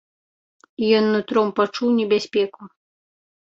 Ён нутром пачуў небяспеку.